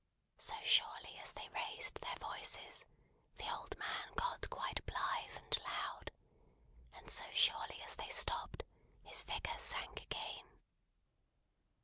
So surely as they raised their voices, the old man got quite blithe and loud; and so surely as they stopped, his vigour sank again.